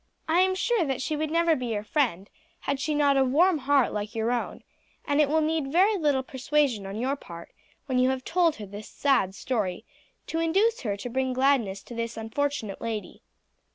I am sure that she would never be your friend had she not a warm heart like your own, and it will need very little persuasion on your part, when you have told her this sad story, to induce her to bring gladness to this unfortunate lady."